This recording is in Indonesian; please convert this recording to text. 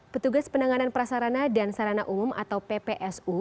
petugas penanganan prasarana dan sarana umum atau ppsu